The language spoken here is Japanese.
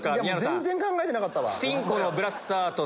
全然考えてなかったわ。